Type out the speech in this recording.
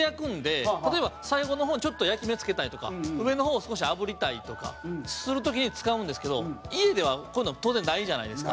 例えば、最後の方にちょっと焼き目つけたいとか上の方を少し炙りたいとかする時に使うんですけど家では、こういうの当然ないじゃないですか。